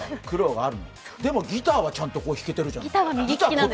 でもギターはちゃんと弾けてるじゃない。